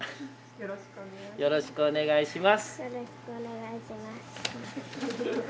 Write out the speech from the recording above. よろしくお願いします。